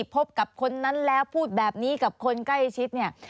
พบกับคนนั้นแล้วพูดแบบนี้กับคนใกล้ชิดเนี่ย